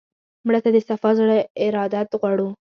مړه ته د صفا زړه ارادت غواړو